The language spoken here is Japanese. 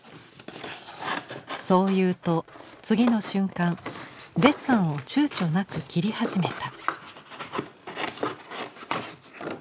そう言うと次の瞬間デッサンをちゅうちょなく切り始めた。